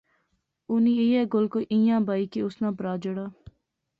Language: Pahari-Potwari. انی ایہہ گل کوئی ایہھاں کری بائی کہ اس ناں پرھا جیہڑا